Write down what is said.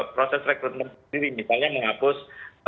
proses rekrutmen sendiri misalnya menghapus